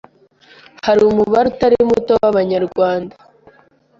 hari umubare utari muto w'Abanyarwanda